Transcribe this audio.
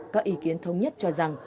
các ý kiến thống nhất cho rằng